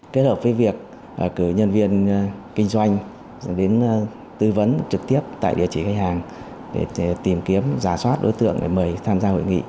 kết hợp với việc cử nhân viên kinh doanh đến tư vấn trực tiếp tại địa chỉ khách hàng để tìm kiếm giả soát đối tượng để mời tham gia hội nghị